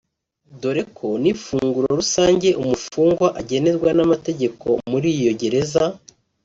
dore ko n’ ifunguro rusange umufungwa agenerwa n’ amategeko muri iyo Gereza